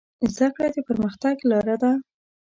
زده کړه د پرمختګ لاره ده.